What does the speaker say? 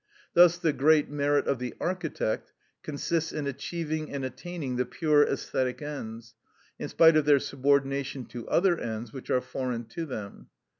Thus the great merit of the architect consists in achieving and attaining the pure æsthetic ends, in spite of their subordination to other ends which are foreign to them.